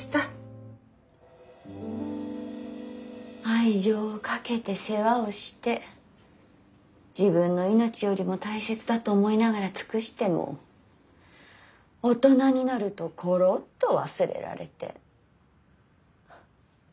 愛情をかけて世話をして自分の命よりも大切だと思いながら尽くしても大人になるとコロッと忘れられて。